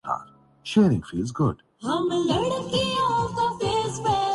Georgia